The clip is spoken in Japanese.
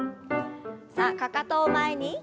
さあかかとを前に。